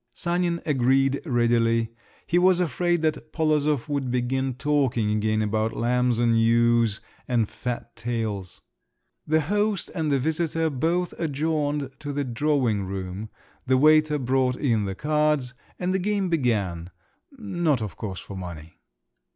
Sanin agreed readily; he was afraid that Polozov would begin talking again about lambs and ewes and fat tails. The host and the visitor both adjourned to the drawing room, the waiter brought in the cards, and the game began, not,—of course, for money.